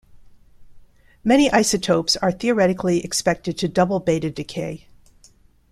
Many isotopes are theoretically expected to double beta decay.